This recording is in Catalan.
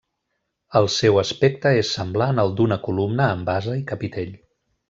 El seu aspecte és semblant al d'una columna amb base i capitell.